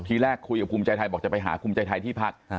ทีแรกคุยกับภูมิใจไทยบอกจะไปหาภูมิใจไทยที่พัก